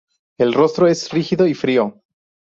El rostro es rígido y frío.